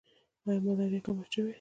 آیا ملاریا کمه شوې؟